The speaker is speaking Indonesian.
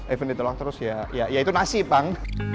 even di teluk terus ya ya itu nasib bang